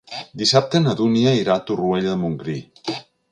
Dissabte na Dúnia irà a Torroella de Montgrí.